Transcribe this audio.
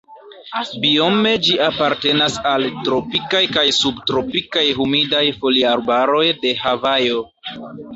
Biome ĝi apartenas al tropikaj kaj subtropikaj humidaj foliarbaroj de Havajo.